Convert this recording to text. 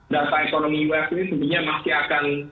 data ekonomi us ini tentunya masih akan